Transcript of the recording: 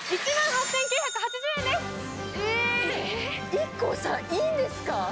ＩＫＫＯさん、いいんですか？